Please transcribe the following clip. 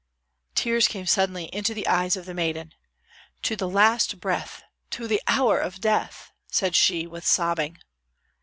Tears came suddenly into the eyes of the maiden: "To the last breath, to the hour of death!" said she, with sobbing.